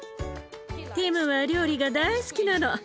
ティムは料理が大好きなの。